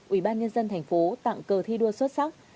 ủy ban nhân dân thành phố tặng cờ thi đua xuất sắc